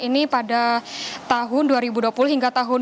ini pada tahun dua ribu dua puluh hingga tahun dua ribu dua puluh